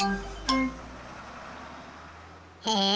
へえ！